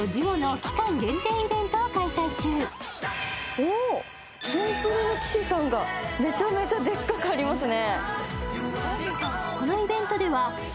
おお、キンプリの岸さんだ、めちゃめちゃでっかくありますね。